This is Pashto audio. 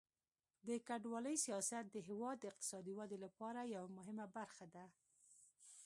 د کډوالۍ سیاست د هیواد د اقتصادي ودې لپاره یوه مهمه برخه ده.